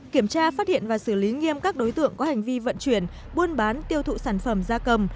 kiểm tra phát hiện và xử lý nghiêm các đối tượng có hành vi vận chuyển buôn bán tiêu thụ sản phẩm da cầm